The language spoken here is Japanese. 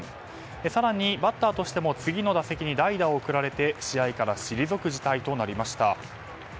更に、バッターとしても次の打席に代打を送られて試合から退く事態となりました。